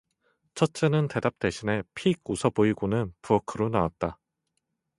첫째는 대답 대신에 픽 웃어 보이고는 부엌으로 나왔다.